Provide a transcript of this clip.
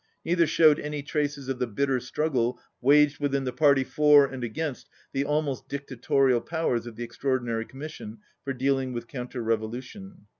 Neither showed any traces of the bitter struggle waged within the party for and against the almost dictatorial powers of the Extraordinary Commission for dealing with counter revolu tion.